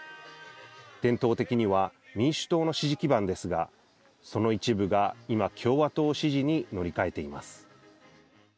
伝統的には民主党の支持基盤ですがその一部が今共和党支持に乗り換えています。